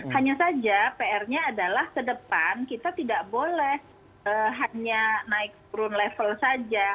hanya saja pr nya adalah ke depan kita tidak boleh hanya naik turun level saja